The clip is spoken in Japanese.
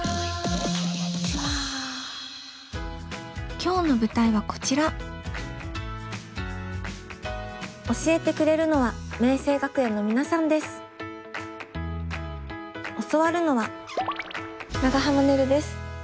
今日の舞台はこちら教えてくれるのは教わるのは長濱ねるです。